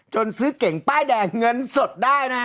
จนซื้อเก่งป้ายแดดเเงินสดได้ละครับ